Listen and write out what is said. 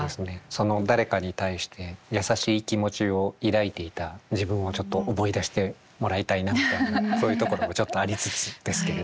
その誰かに対して優しい気持ちを抱いていた自分をちょっと思い出してもらいたいなみたいなそういうところもちょっとありつつですけれどね。